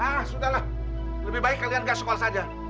ah sudah lah lebih baik kalian gak sekolah saja